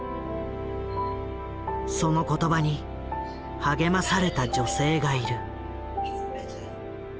その言葉に励まされた女性がいる。